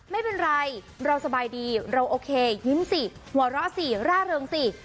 ไม่เป็นไรเราสบายดีเราโอเคยิ้มสิหัวเราะสิร่าเริงสิ